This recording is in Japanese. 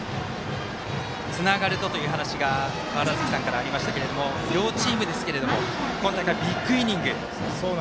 つながると、という話が川原崎からありましたけれども両チーム、今大会ビッグイニング。